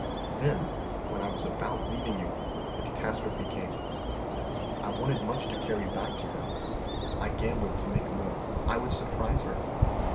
"Then, when I was about leaving you, the catastrophe came. I wanted much to carry back to her. I gambled to make more. I would surprise her.